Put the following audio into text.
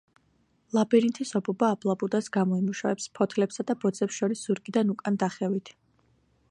ლაბირინთის ობობა აბლაბუდას გამოიმუშავებს ფოთლებსა და ბოძებს შორის ზურგიდან უკან დახევით.